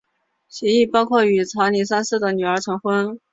协议包含与查理三世的女儿成婚。